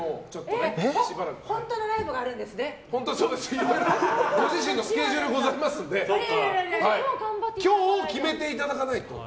いろいろとご自身のスケジュールがございますので今日、決めていただかないと。